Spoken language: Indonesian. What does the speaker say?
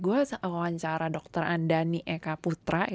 gue wawancara dokter andani eka putra ya